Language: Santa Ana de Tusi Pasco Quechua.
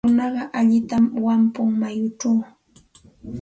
Runaqa allintam wampun mayuchaw.